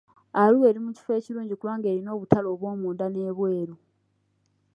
Arua eri mu kifo ekirungi kubanga erina obutale obwomunda n'ebweru.